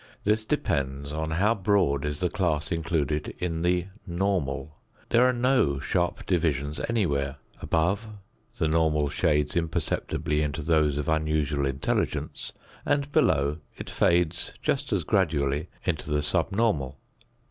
This depends on how broad is the class included in the normal. There are no sharp divisions anywhere; above, the normal shades imperceptibly into those of unusual intelligence, and below it fades just as gradually into the sub normal.